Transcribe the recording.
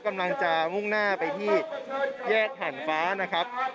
กำลังจะมุ่งหน้าไปที่แยกผ่านฟ้านะครับ